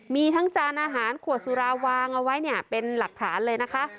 มีทั้งจานอาหารขวดสุราวางเอาไว้เนี่ยเป็นหลักฐานเลยนะคะ